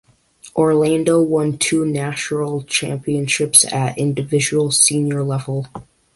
Orlando won two national championships at individual senior level.